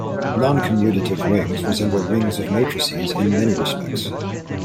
Noncommutative rings resemble rings of matrices in many respects.